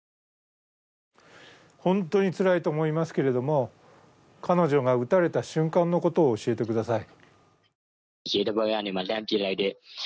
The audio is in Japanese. ホントにつらいと思いますけれども彼女が撃たれた瞬間のことを教えてください